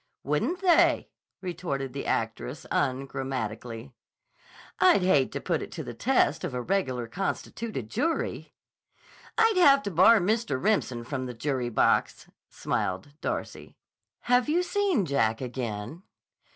"Wouldn't they!" retorted the actress ungrammatically. "I'd hate to put it to the test of a regular constituted jury." "I'd have to bar Mr. Remsen from the jury box," smiled Darcy. "Have you seen Jack again?"